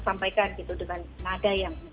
sampaikan dengan nada yang